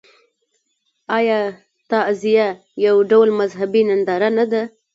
آیا تعزیه یو ډول مذهبي ننداره نه ده؟